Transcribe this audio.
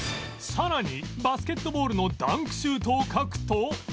さらにバスケットボールのダンクシュートを描くと